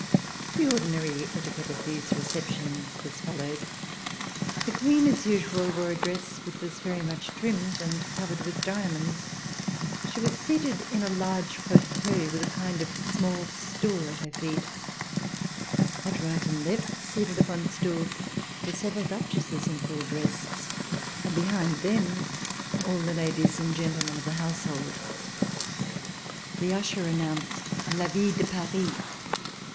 The ordinary etiquette of these receptions was followed. The Queen, as usual, wore a dress which was very much trimmed and covered with diamonds. She was seated in a large fauteuil with a kind of small stool at her feet. At right and left, seated upon stools, were several Duchesses in full dress, and behind them, all the ladies and gentlemen of the household. The usher announced: "La ville de Paris!"